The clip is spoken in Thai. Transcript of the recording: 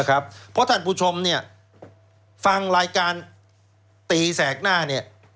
เพราะท่านผู้ชมเนี่ยฟังรายการตีแสกหน้าเนี่ย